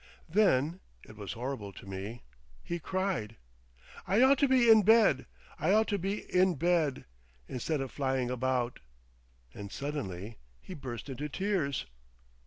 Then—it was horrible to me—he cried, "I ought to be in bed; I ought to be in bed... instead of flying about," and suddenly he burst into tears.